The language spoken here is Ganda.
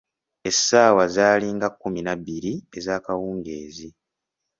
Essaawa zaalinga kkuminabbiri ez'akawungeezi.